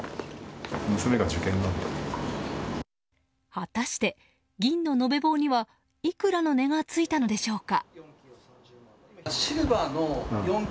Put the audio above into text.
果たして、銀の延べ棒にはいくらの値がついたのでしょうか。